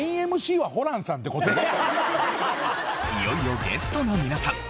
いよいよゲストの皆さん。